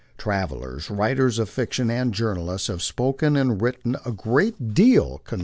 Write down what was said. Travellers, writers of fiction, and journalists have spoken and written a great deal con*